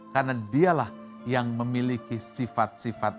karena dialah yang memiliki sifat sifat